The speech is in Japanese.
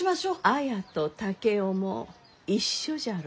綾と竹雄も一緒じゃろ。